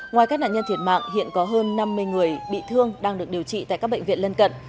ngoài các nạn nhân thiệt mạng hiện có hơn năm mươi người bị thương đang được điều trị tại các bệnh viện lân cận